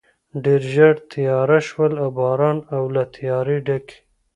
ډېر ژر تېاره شول، باران او له تیارې ډکې.